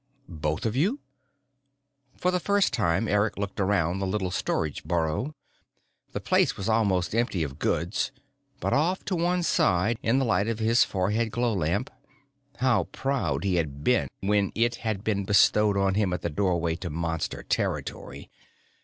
Both of you? For the first time, Eric looked around the little storage burrow. The place was almost empty of goods, but off to one side, in the light of his forehead glow lamp (how proud he had been when it had been bestowed on him at the doorway to Monster territory!)